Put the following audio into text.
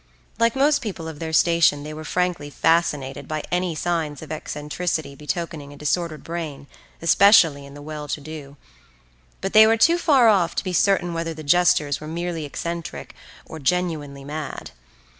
Like most people of their station they were frankly fascinated by any signs of eccentricity betokening a disordered brain, especially in the well to do; but they were too far off to be certain whether the gestures were merely eccentric or genuinely mad.